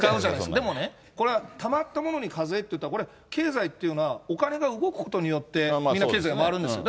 でもね、これはたまったものに課税っていったら、これ、経済っていうのは、お金が動くことによってみんな経済が回るんですよ。